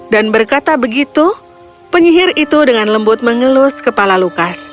dan berkata begitu penyihir itu dengan lembut mengelus kepala lukas